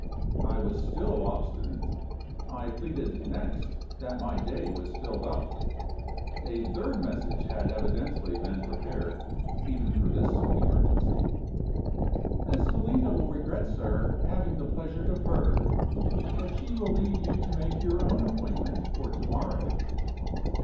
I was still obstinate; I pleaded next that my day was filled up. A third message had evidently been prepared, even for this emergency: "Miss Helena will regret, sir, having the pleasure deferred, but she will leave you to make your own appointment for to morrow."